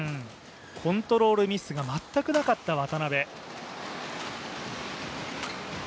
コントロールミスが全くなかった渡辺。